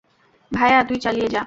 ভায়া, তুই চালিয়ে যা।